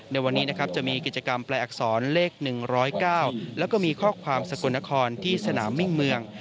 ในวันนี้นะครับจะมีกิจกรรมแปลอักษรเลข๑๐๙แล้วก็มีข้อความสกลนครที่สนามมิ่งเมือง